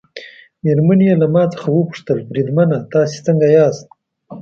مېرمنې یې له ما څخه وپوښتل: بریدمنه تاسي څنګه یاست؟